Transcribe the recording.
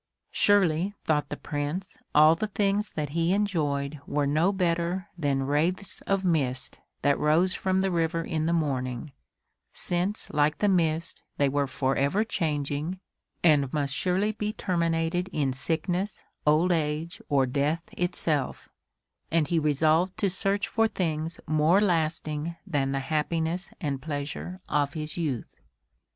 Surely, thought the Prince, all the things that he enjoyed were no better than wraiths of mist that rose from the river in the morning, since like the mist they were forever changing, and must surely be terminated in sickness, old age or death itself; and he resolved to search for things more lasting than the happiness and pleasure of his youth.